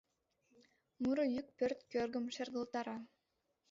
Муро йӱк пӧрт кӧргым шергылтара.